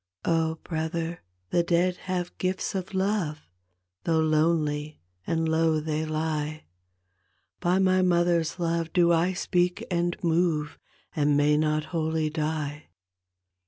" Oh, brother, the dead have gifts of love, Though lonely and low they lie, By my mother's love do I speak and move And may not wholly die."